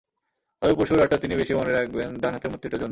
তবে পরশুর রাতটা তিনি বেশি মনে রাখবেন ডান হাতের মূর্তিটার জন্যই।